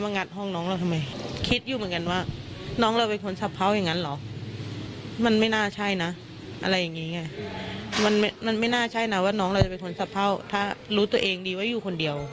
น่าใช่นะว่าน้องเราจะเป็นคนทรัพเผ่าถ้ารู้ตัวเองดีว่าอยู่คนเดียว